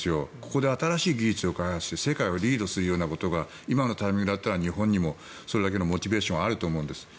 ここで新しい技術を開発して世界をリードするようなことが今のタイミングだったら日本にもそれだけのモチベーションはあると思うんです。